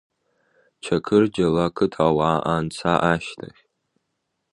Чақырџьалы ақыҭауаа анца ашьҭахь…